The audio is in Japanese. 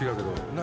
何？